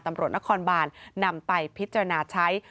ตำรวจนครบานนำไปพิจารณาใช้